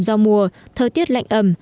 do mùa thời tiết lạnh ẩm